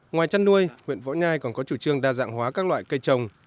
ngoài chăn nuôi huyện võ nhai còn có chủ trương đa dạng hóa các loại cây trồng